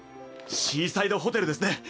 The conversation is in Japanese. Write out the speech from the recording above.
シーサイドホテルですね。